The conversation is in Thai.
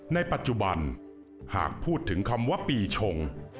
ในปัจจุบันหากพูดถึงคำว่าปีชง